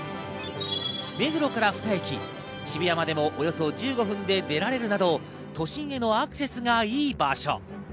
目黒から２駅、渋谷までもおよそ１５分で出られるなど都心へのアクセスがいい場所。